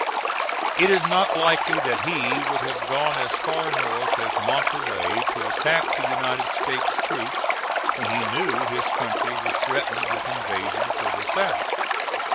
It is not likely that he would have gone as far north as Monterey to attack the United States troops when he knew his country was threatened with invasion further south.